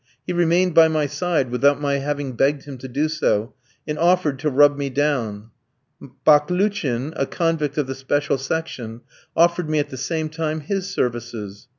He remained by my side without my having begged him to do so, and offered to rub me down. Baklouchin, a convict of the special section, offered me at the same time his services.